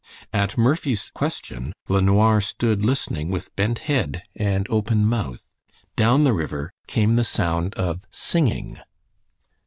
At Murphy's question LeNoir stood listening with bent head and open mouth. Down the river came the sound of singing.